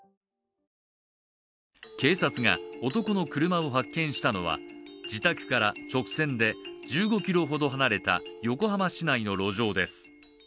警察が男の車を発見したのは自宅から直線で１５ｋｍほど離れた横浜市内の路上です。